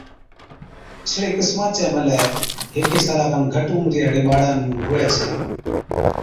اِسڙِي قِسما چَي ملَي هيڪي سالا کن گھٽ عمرِي هاڙِي ٻاڙا نُون هُوَي ڇَي